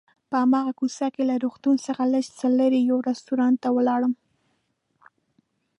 په هماغه کوڅه کې له روغتون څخه لږ څه لرې یو رستورانت ته ولاړم.